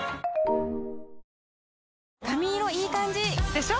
でしょ？